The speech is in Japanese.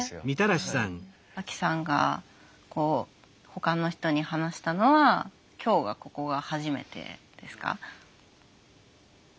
アキさんがこうほかの人に話したのは今日がここが初めてですか？